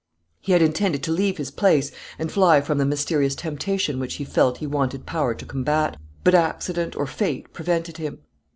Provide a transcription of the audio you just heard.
He had intended to leave his place, and fly from the mysterious temptation which he felt he wanted power to combat, but accident or fate prevented him.